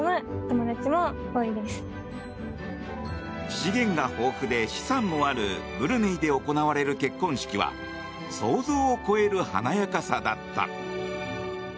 資源が豊富で資産もあるブルネイで行われる結婚式は想像を超える華やかさだった。